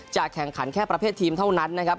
แข่งขันแค่ประเภททีมเท่านั้นนะครับ